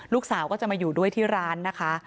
ลูกสาวก็จะมาอยู่ด้วยที่ร้านนะคะ